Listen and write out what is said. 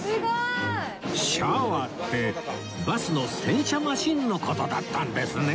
シャワーってバスの洗車マシンの事だったんですね